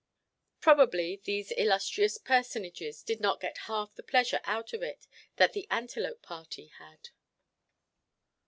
Probably these illustrious personages did not get half the pleasure out of it that the Antelope party had.